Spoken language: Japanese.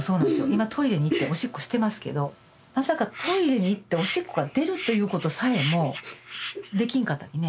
今トイレに行っておしっこしてますけどまさかトイレに行っておしっこが出るということさえもできんかったきね。